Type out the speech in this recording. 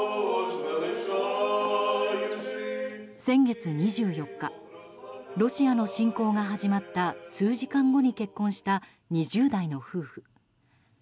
先月２４日、ロシアの侵攻が始まった数時間後に結婚した、２０代の夫婦。